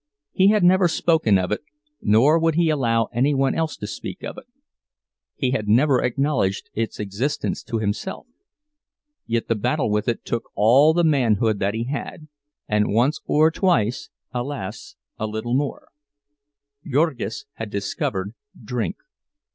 He had never spoken of it, nor would he allow any one else to speak of it—he had never acknowledged its existence to himself. Yet the battle with it took all the manhood that he had—and once or twice, alas, a little more. Jurgis had discovered drink.